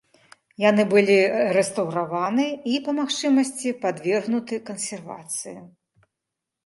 Яны былі рэстаўрыраваны і, па магчымасці, падвергнуты кансервацыі.